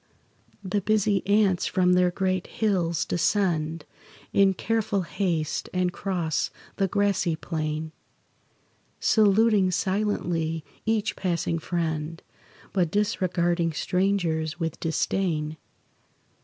The busy ants from their great hills descend In careful haste, and cross the grassy plain, Saluting silently each passing friend, But disregarding strangers with disdain.